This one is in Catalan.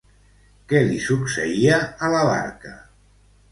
Què li succeïa a la barca?